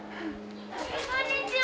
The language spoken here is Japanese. こんにちは。